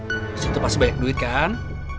di situ pasti banyak duit kan